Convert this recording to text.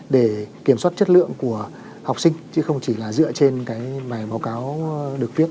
để kiểm soát chất lượng của học sinh chứ không chỉ là dựa trên cái bài báo cáo được viết